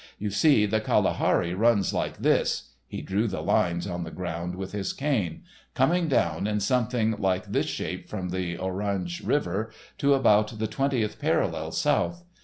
You see, the Kalahari runs like this"—he drew the lines on the ground with his cane—"coming down in something like this shape from the Orange River to about the twentieth parallel south.